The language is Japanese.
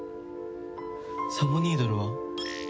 サボニードルは？